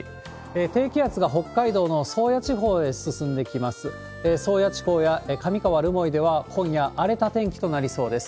低気圧が北海道の宗谷地方へ進んでいきます。